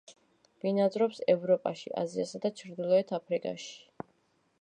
ბინადრობს ევროპაში, აზიასა და ჩრდილოეთ აფრიკაში.